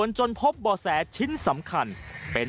มันกลับมาแล้ว